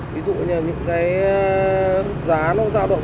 ví dụ như những cái giá nó giao động